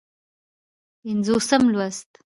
پينځوسم لوست